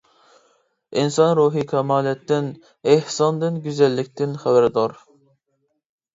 ئىنسان روھى كامالەتتىن، ئېھساندىن، گۈزەللىكتىن خەۋەردار.